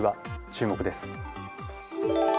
注目です。